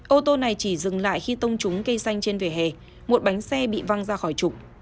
ô tô này chỉ dừng lại khi tông trúng cây xanh trên vỉa hè một bánh xe bị văng ra khỏi trục